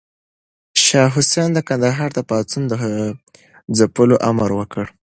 شاه حسين د کندهار د پاڅون د ځپلو امر وکړ.